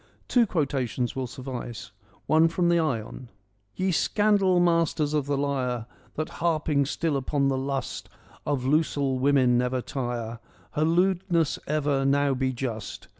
Two quotations will suffice. One from the Ion :—' Ye scandal masters of the lyre, That harping still upon the lust Of losel women never tire, Her lewdness ever, now be just.